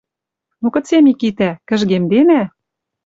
«Ну, кыце, Микитӓ? Кӹжгемденӓ?